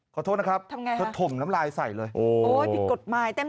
ขอโทษนะครับก็ถมน้ำลายใส่เลยโอ้โฮทำไงครับ